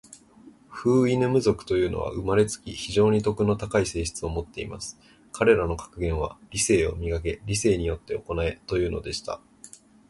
フウイヌム族というのは、生れつき、非常に徳の高い性質を持っています。彼等の格言は、『理性を磨け。理性によって行え。』というのでした。